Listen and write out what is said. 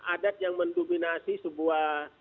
adat yang mendominasi sebuah